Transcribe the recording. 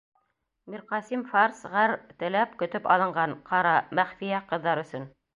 Мирҡасим фарс., ғәр. — теләп, көтөп алынған — ҡара: Мәғфиә Ҡыҙҙар өсөн